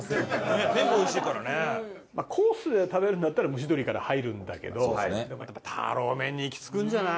コースで食べるんだったら蒸し鶏から入るんだけどやっぱターロー麺にいきつくんじゃない？